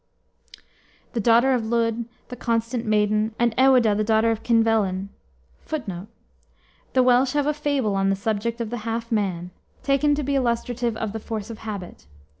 ] the daughter of Lludd, the constant maiden, and Ewaedah, the daughter of Kynvelyn, [Footnote: The Welsh have a fable on the subject of the half man, taken to be illustrative of the force of habit.